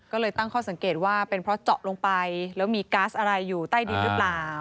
ก็เลยตั้งข้อสังเกตว่าเป็นเพราะเจาะลงไปแล้วมีก๊าซอะไรอยู่ใต้ดินหรือเปล่า